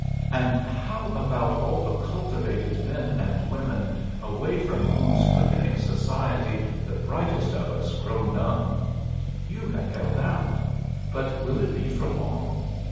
And how about all the cultivated men and women away from whose quickening society the brightest of us grow numb? You have held out. But will it be for long?